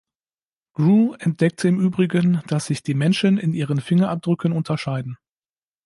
Grew entdeckte im übrigen, dass sich die Menschen in ihren Fingerabdrücken unterscheiden.